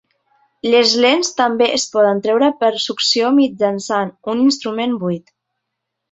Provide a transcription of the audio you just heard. Les lents també es poden treure per succió mitjançant un instrument buit.